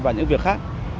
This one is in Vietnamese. vào những việc khác